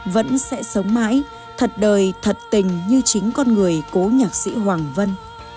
vẫn sẽ sống mãi thật đời thật tình như chính con người cố nhạc sĩ hoàng vân